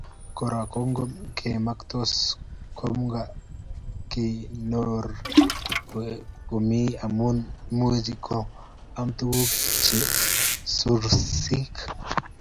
Kora kongemoktos ngomakikonor komie amu imuchi koam kutik cheu susurik